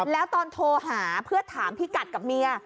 แล้วตอนโทรหาเพื่อถามพี่กัดกับเมีย